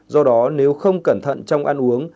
do đó nếu không cẩn thận trong ăn uống